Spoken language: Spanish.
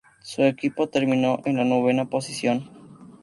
Su equipo terminó en la novena posición.